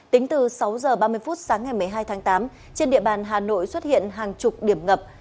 tính từ sáu h ba mươi phút sáng ngày một mươi hai tháng tám trên địa bàn hà nội xuất hiện hàng chục điểm ngập